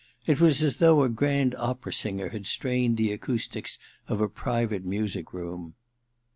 It was as though a grand opera singer had strained the acoustics of a private music room.